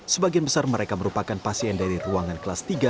sebagian besar mereka merupakan pasien dari ruangan kelas tiga